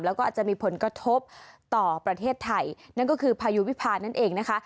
แล้วก็อาจจะมีผลกระทบต่อประเทศไทยนั่นก็คือพายุวิพานั่นเองนะคะ